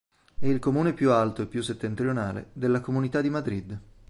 È il comune più alto e più settentrionale della comunità di Madrid.